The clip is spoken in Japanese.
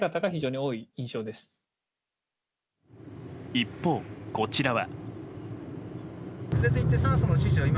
一方、こちらは。